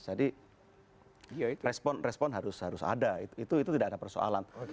jadi respon harus ada itu tidak ada persoalan